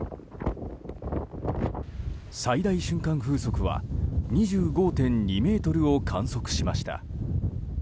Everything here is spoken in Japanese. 最大瞬間風速は２５．２メートルを観測しました。